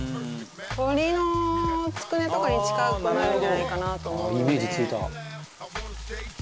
鶏のつくねとかに近くなるんじゃないかなと思うので。